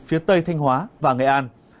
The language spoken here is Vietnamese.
phía tây thanh hóa và nghệ an